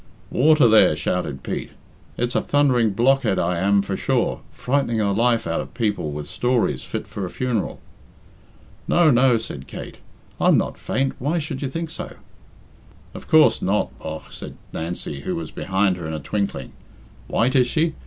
"Water, there," shouted Pete. "It's a thundering blockhead I am for sure frightning the life out of people with stories fit for a funeral." "No, no," said Kate; "I'm not faint Why should you think so?" "Of coorse, not, bogh," said Nancy, who was behind her in a twinkling. "White is she?